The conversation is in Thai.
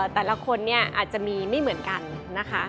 แต่ละคนเนี่ยอาจจะมีไม่เหมือนกันนะคะ